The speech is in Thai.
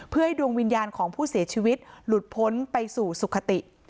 เพื่อให้ดวงวิญญาณของผู้เสียชีวิตหลุดพ้นไปสู่สุขติ